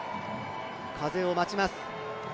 風を待ちます。